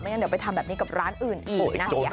ไม่งั้นเดี๋ยวไปทำแบบนี้กับร้านอื่นอีกน่าเสียหาย